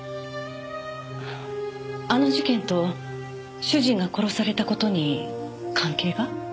あの事件と主人が殺された事に関係が？